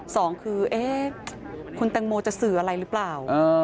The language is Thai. สองคือเอ๊ะคุณแตงโมจะสื่ออะไรหรือเปล่า